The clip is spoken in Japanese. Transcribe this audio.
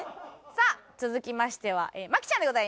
さあ続きましては麻貴ちゃんでございます。